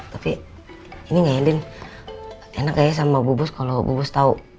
tapi ini gak ya din enak ya sama bu bos kalau bu bos tau